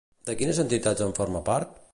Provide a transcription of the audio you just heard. De quines entitats en forma part?